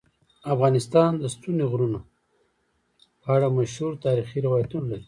افغانستان د ستوني غرونه په اړه مشهور تاریخی روایتونه لري.